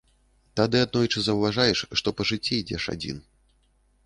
Тады аднойчы заўважаеш, што па жыцці ідзеш адзін.